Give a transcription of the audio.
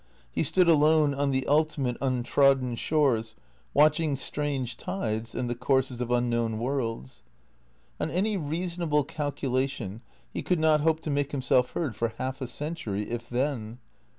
He stood alone on the ultimate, untrodden shores, watching strange tides and the courses of unknown worlds. On any reasonable calculation he could not hope to make himself heard for half a century, if then.